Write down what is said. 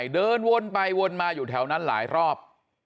เดินวนไปวนมาอยู่แถวนั้นหลายรอบ